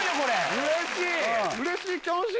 うれしい！